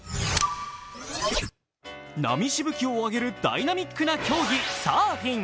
波しぶきを上げるダイナミックな競技・サーフィン。